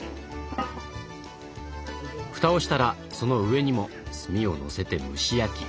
蓋をしたらその上にも炭をのせて蒸し焼き。